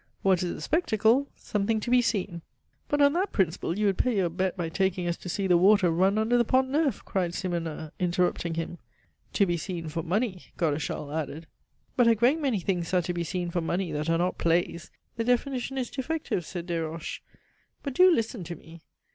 What is a spectacle? Something to be seen " "But on that principle you would pay your bet by taking us to see the water run under the Pont Neuf!" cried Simonnin, interrupting him. "To be seen for money," Godeschal added. "But a great many things are to be seen for money that are not plays. The definition is defective," said Desroches. "But do listen to me!"